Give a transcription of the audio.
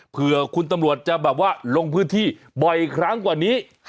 เผื่อคุณตำรวจจะแบบว่าลงพื้นที่บ่อยครั้งกว่านี้